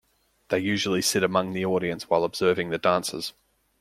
They usually sit among the audience while observing the dances.